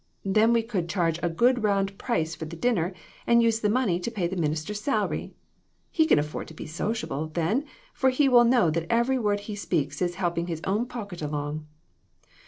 Then we could charge a good round price for the dinner and use the money to pay the minister's salary. He can afford to be sociable, then, for he will know that every word he speaks is helping his own pocket along."